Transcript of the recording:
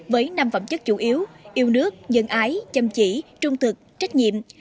với năm phẩm chất chủ yếu yêu nước nhân ái chăm chỉ trung thực trách nhiệm